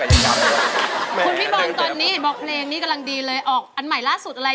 อารมปันเพลงอะไรกันเหรอครับ